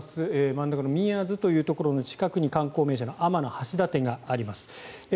真ん中の宮津というところの近くに観光地の天橋立があります。